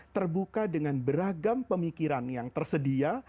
terbuka dengan beragam pemikiran yang tersedia